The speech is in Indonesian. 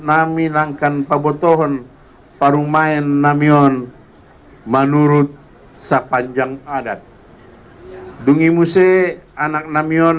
nami langkan pabotohon parung main namion menurut sepanjang adat dungimuse anak namion